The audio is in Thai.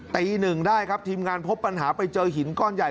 ตีหนึ่งได้ครับทีมงานพบปัญหาไปเจอหินก้อนใหญ่